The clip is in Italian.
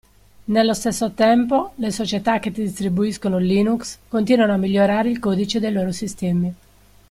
Nello stesso tempo le società che distribuiscono Linux, continuano a migliorare il codice dei loro sistemi.